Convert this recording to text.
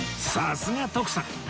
さすが徳さん！